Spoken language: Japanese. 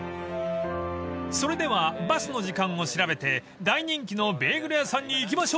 ［それではバスの時間を調べて大人気のベーグル屋さんに行きましょう］